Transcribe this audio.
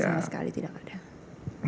sama sekali tidak ada